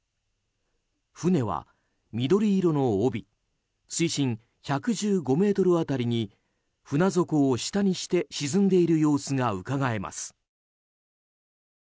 船は緑色の帯水深１１５ｍ辺りに船底を下にして沈んでいる様子がうかがえます。